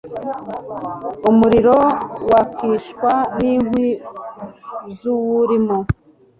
umuriro wakishwa n'inkwi ziwurimo